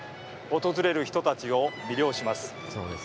訪れる人たちを魅了します。